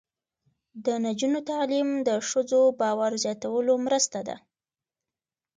د نجونو تعلیم د ښځو باور زیاتولو مرسته ده.